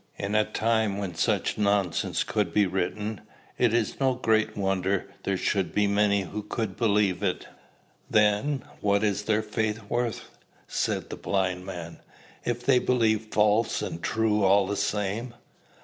In a time when such nonsense could be written, it is no great wonder there should be many who could believe it." "Then, what was their faith worth," said the blind man, "if they believed false and true all the same?"